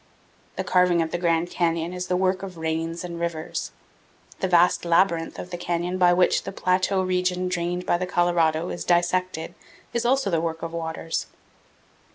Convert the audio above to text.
The carving of the Grand Canyon is the work of rains and rivers. The vast labyrinth of canyon by which the plateau region drained by the Colorado is dissected is also the work of waters.